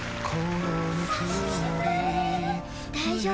大丈夫。